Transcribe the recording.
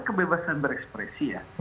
kebebasan berekspresi ya